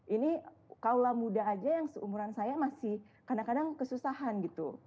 ini kaulah muda aja yang seumuran saya masih kadang kadang kesusahan gitu